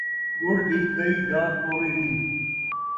ڳڑ دی کئی جاہ کوڑی نئیں